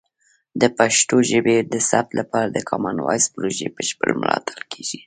د پښتو ژبې د ثبت لپاره د کامن وایس پروژې بشپړ ملاتړ کیږي.